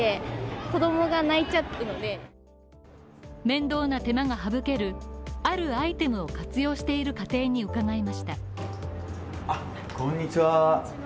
面倒な手間が省けるあるアイテムを活用している家庭に伺いました。